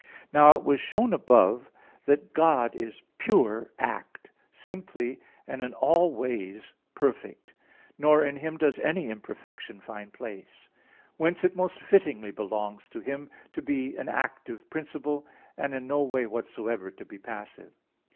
Now it was shown above (Q. 3, A. 2; Q. 4, AA. 1, 2), that God is pure act, simply and in all ways perfect, nor in Him does any imperfection find place. Whence it most fittingly belongs to Him to be an active principle, and in no way whatsoever to be passive.